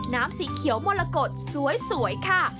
น้ำสีเขียวมละกดสวยค่ะ